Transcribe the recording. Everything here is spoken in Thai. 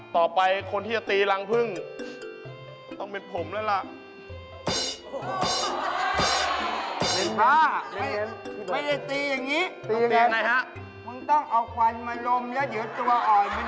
อ๋อพ่อไปตีรังพึ่งเพื่อจะเอาน้ำพึ่ง